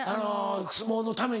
相撲のために。